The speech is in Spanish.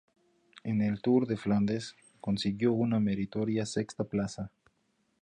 En el Tour de Flandes consiguió una meritoria sexta plaza.